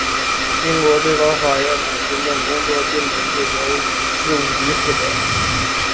英国最高法院的行政工作并不由事务局负责。